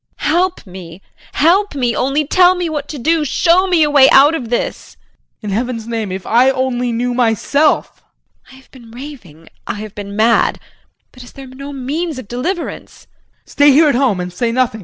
JULIE. Help me, help me. Only tell me what to do show me a way out of this! JEAN. In heaven's name, if I only knew myself. JULIE. I have been raving, I have been mad, but is there no means of deliverance? JEAN. Stay here at home and say nothing.